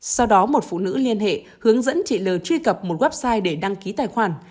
sau đó một phụ nữ liên hệ hướng dẫn chị l truy cập một website để đăng ký tài khoản